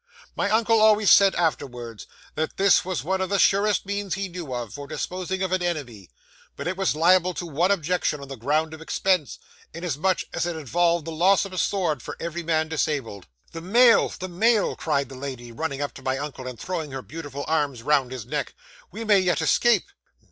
My uncle always said, afterwards, that this was one of the surest means he knew of, for disposing of an enemy; but it was liable to one objection on the ground of expense, inasmuch as it involved the loss of a sword for every man disabled. '"The mail, the mail!" cried the lady, running up to my uncle and throwing her beautiful arms round his neck; "we may yet escape."